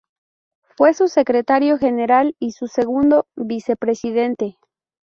Fue su Secretario General y Segundo Vicepresidente.